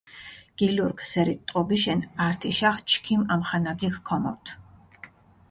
გილურქ სერით ტყობიშენ, ართიშახ ჩქიმ ამხანაგიქ ქომორთ.